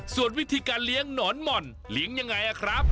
ส่วนวิธีการเลี้ยงหนอนหม่อนเลี้ยงยังไงครับ